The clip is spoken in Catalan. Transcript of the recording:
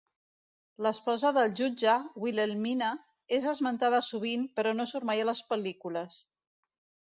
L'esposa del jutge, Wilhelmina, és esmentada sovint però no surt mai a les pel·lícules.